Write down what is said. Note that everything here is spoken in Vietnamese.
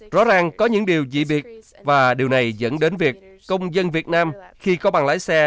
rõ ràng có những điều dị biệt và điều này dẫn đến việc công dân việt nam khi có bằng lái xe